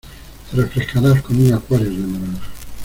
Te refrescarás con un Aquarius de naranja.